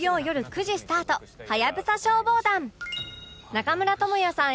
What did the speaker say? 中村倫也さん